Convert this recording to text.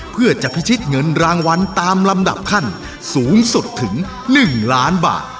เพื่อจะพิชิตเงินรางวัลตามลำดับขั้นสูงสุดถึง๑ล้านบาท